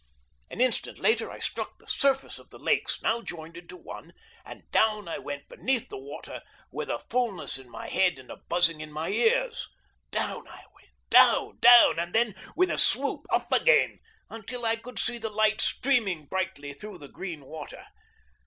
An instant later I struck the surface of the lakes, now joined into one, and down I went beneath the water with a fulness in my head and a buzzing in my ears. Down I went, down, down, and then with a swoop up again until I could see the light streaming brightly through the green water.